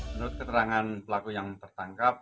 menurut keterangan pelaku yang tertangkap